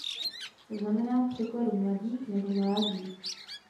Znamená v překladu "mladík" nebo "mládí".